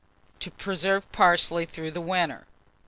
TO PRESERVE PARSLEY THROUGH THE WINTER.